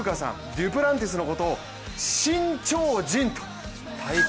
デュプランティス選手のことを新鳥人と。